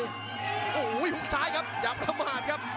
โอ้โหหุบซ้ายครับอย่าประมาทครับ